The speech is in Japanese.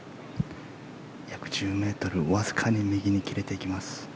約１０ｍわずかに右に切れていきます。